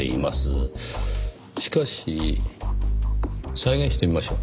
しかし。再現してみましょう。